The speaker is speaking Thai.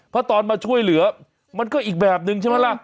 เพราะตอนมาช่วยเหลือมันก็อีกแบบนึงใช่ไหมล่ะ